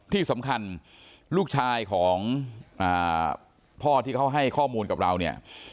ที่สำคัญลูกชายของพ่อที่เขาให้ข้อมูลกับเราเนี่ย